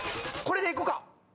これでいくか。